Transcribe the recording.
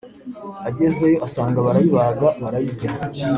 Agezeyo asanga barayibaga barayirya